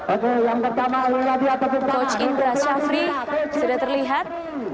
oke yang pertama coach indra syafri sudah terlihat